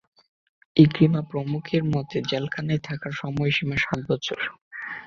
ইকরিমা প্রমুখের মতে, জেলখানায় থাকার সময়সীমা সাত বছর।